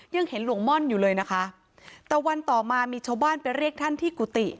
ยังเห็นหลวงม่อนอยู่เลยนะคะแต่วันต่อมามีชาวบ้านไปเรียกท่านที่กุฏิ